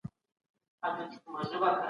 دا يو تاريخي فرصت دی.